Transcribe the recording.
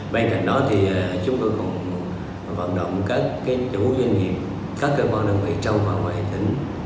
bên cạnh đó thì chúng tôi còn vận động các chủ doanh nghiệp các cơ quan đơn vị trong và ngoài tỉnh